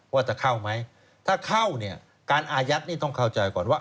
ว่าจะเข้าไหมถ้าเข้าเนี่ยการอายัดนี่ต้องเข้าใจก่อนว่า